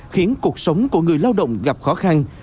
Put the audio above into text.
khiến cuộc sống của người lao động gặp khó khăn